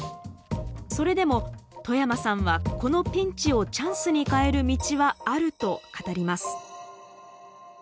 それでも冨山さんはこのピンチをチャンスに変える道はあると語ります。